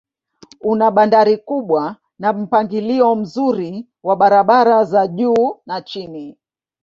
Una bandari kubwa na mpangilio mzuri wa barabara za juu na chini.